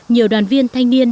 nhiều đoàn viên thanh niên